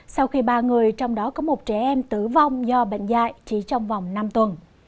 sau khi ba người trong đó có một trẻ em tử vong do bệnh dạy chỉ trong vòng năm tuần